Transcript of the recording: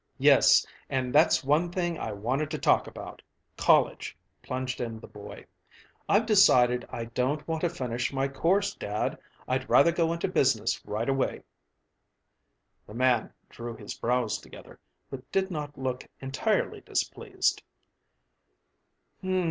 "Yes; and that's one thing I wanted to talk about college," plunged in the boy. "I've decided I don't want to finish my course, dad. I'd rather go into business right away." The man drew his brows together, but did not look entirely displeased.